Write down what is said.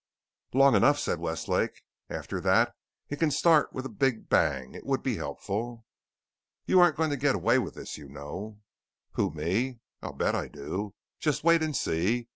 "Long enough," said Westlake. "After that it can start with a big bang. It would be helpful." "You aren't going to get away with this, you know." "Who me? I'll bet I do. Just wait and see.